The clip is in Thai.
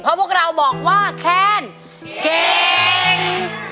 เพราะพวกเราบอกว่าแคนเก่ง